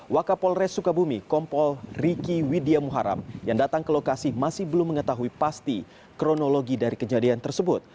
wakapolres sukabumi kompol riki widya muharam yang datang ke lokasi masih belum mengetahui pasti kronologi dari kejadian tersebut